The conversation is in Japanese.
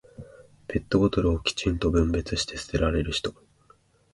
ペットボトルをきちんと分別して捨てられる人。